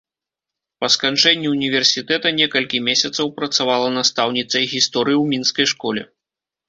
Па сканчэнні ўніверсітэта, некалькі месяцаў працавала настаўніцай гісторыі ў мінскай школе.